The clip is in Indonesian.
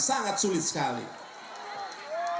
sangat sulit sekali sangat sulit sekali